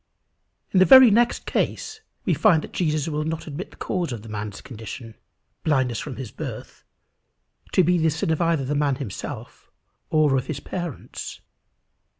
In the very next case we find that Jesus will not admit the cause of the man's condition, blindness from his birth, to be the sin either of the man himself, or of his parents.